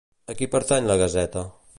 A qui pertany la gaseta?